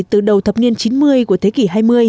từ đầu thập niên chín mươi của thế kỷ hai mươi